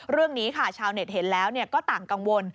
เรื่องนี้ค่ะชาวเน็ตเห็นแล้วก็ต่างกังวล